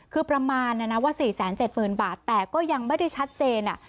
คือประมาณนะนะว่า๔๗๐๐บาทแต่ก็ยังไม่ได้ชัดเจน